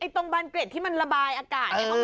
ตรงบานเกร็ดที่มันระบายอากาศ